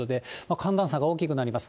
寒暖差が大きくなります。